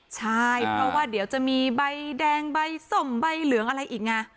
ใช่เพราะว่าเดี๋ยวจะมีใบแดงใบส้มใบเหลืองอะไรอีกไง